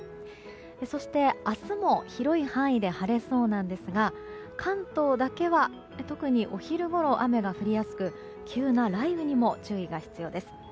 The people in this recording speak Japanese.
そして、明日も広い範囲で晴れそうなんですが関東だけは特にお昼ごろ雨が降りやすく急な雷雨にも注意が必要です。